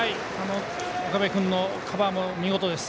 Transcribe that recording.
岡部君のカバーも見事です。